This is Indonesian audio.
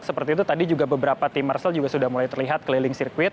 seperti itu tadi juga beberapa tim marcel juga sudah mulai terlihat keliling sirkuit